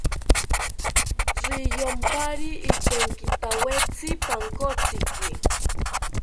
Riyompari ikenkithawetzi pankotziki